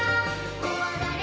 「こわがれ！